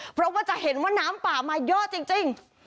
เพราะว่าจะเห็นว่าน้ำป่ามาเยอะจริง